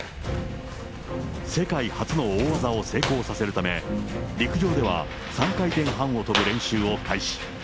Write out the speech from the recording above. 世界初の大技を成功させるため、陸上では３回転半を跳ぶ練習を開始。